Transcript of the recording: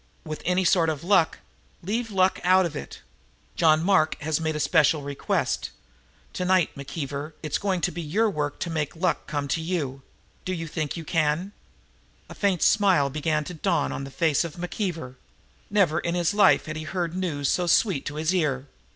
"With any sort of luck " "Leave the luck out of it. John Mark has made a special request. Tonight, McKeever, it's going to be your work to make the luck come to you. Do you think you can?" A faint smile began to dawn on the face of McKeever. Never in his life had he heard news so sweet to his ear.